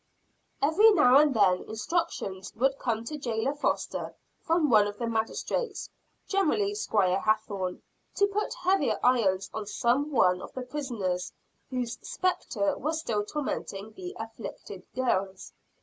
Every now and then instructions would come to jailer Foster from one of the magistrates generally Squire Hathorne to put heavier irons on some one of the prisoners, whose spectre was still tormenting the "afflicted girls."